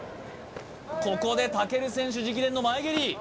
ここで武尊選手直伝の前蹴り！